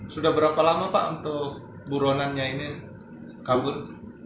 sudah berapa lama pak untuk buronannya ini kabur